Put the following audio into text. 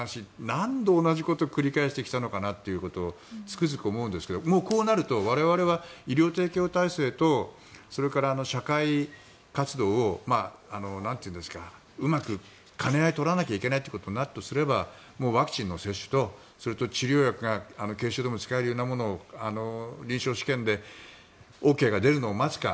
何度同じことを繰り返してきたのかなとつくづく思うんですけどもうこうなると我々は医療提供体制とそれから社会活動をうまく兼ね合いを取らなくてはいけないということになるとすればもうワクチンの接種とそれと治療薬が軽症でも使えるようなものを臨床試験でＯＫが出るのを待つか